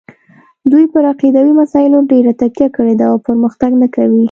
دوی پر عقیدوي مسایلو ډېره تکیه کړې ده او پرمختګ نه کوي.